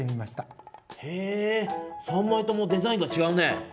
へえ３枚ともデザインがちがうね。